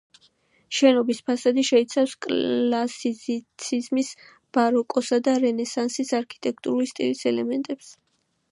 შენობის ფასადი შეიცავს კლასიციზმის, ბაროკოსა და რენესანსის არქიტექტურული სტილის ელემენტებს.